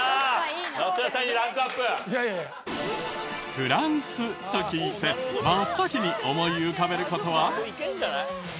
フランスと聞いて真っ先に思い浮かべる事は？